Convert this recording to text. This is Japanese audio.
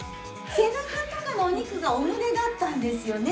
背中とかのお肉がお胸だったんですよね。